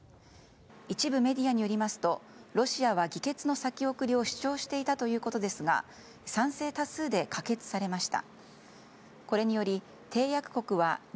一部メディアによりますとロシアは議決の先送りを主張していたということですが賛成多数で可決されました。